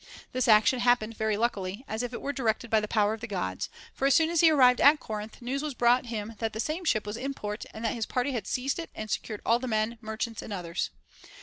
This action happened very luckily, as if it were directed by the power of the Gods ; for as soon as he arrived at Corinth, news was brought him that the same ship was in port, and that his party had seized it and secured all the men, merchants and others.